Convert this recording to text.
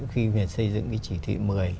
khi việt xây dựng cái chỉ thị một mươi